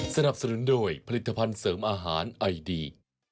สนับสนุนโดยผลิตภัณฑ์เสริมอาหารไอดี